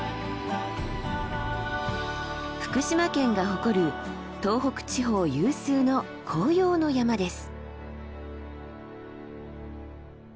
福島県が誇る東北地方有数の紅葉の山です。